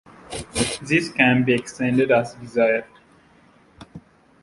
This can be extended as desired.